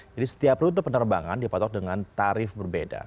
jadi setiap rute penerbangan dipatok dengan tarif berbeda